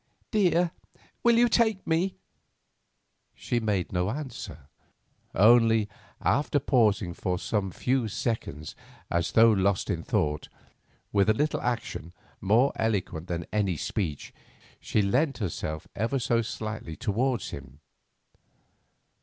"Dear, will you take me?" She made no answer; only, after pausing for some few seconds as though lost in thought, with a little action more eloquent than any speech, she leant herself ever so slightly towards him.